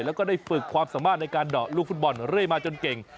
แล้วก็ได้ฝึกความสามารถในการเดาะลูกฟุตบอลเรื่อยมาจนเก่ง